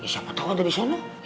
siapa tahu ada di sana